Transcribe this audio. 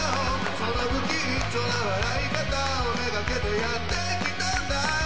そのぶきっちょな笑い方をめがけてやってきたんだよ